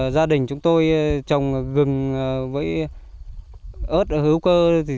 gia đình chúng tôi trồng gừng với ớt hữu cơ